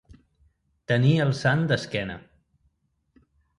Tenir el sant d'esquena.